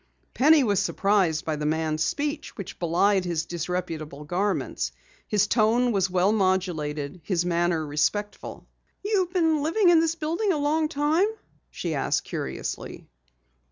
Penny was surprised by the man's speech which belied his disreputable garments. His tone was well modulated, his manner respectful. "You've been living in this building a long while?" she asked curiously.